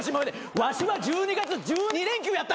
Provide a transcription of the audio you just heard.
「わしは１２月１２連休やったんや」